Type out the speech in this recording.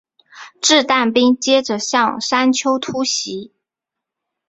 掷弹兵接着向山丘突袭。